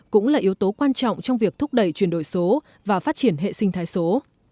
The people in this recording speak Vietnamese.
cũng là yếu tố quan trọng trong việc thúc đẩy chuyển đổi số và phát triển hệ sinh thái số